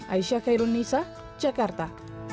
aisyah khairun nisa jakarta